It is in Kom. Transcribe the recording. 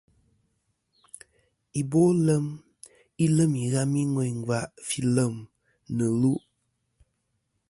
Ibolem ilem ìghami ŋweyn ngva fi lem nɨ lu'.